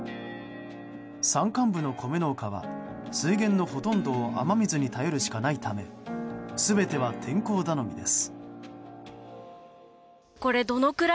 山間部の米農家は水源のほとんどを雨水に頼るしかないため全ては天候頼みです。